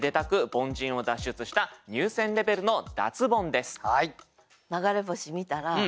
凡人を脱出した入選レベルの脱ボンです。